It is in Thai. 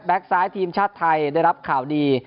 ซ้ายทีมชาติไทยได้รับข่าวดี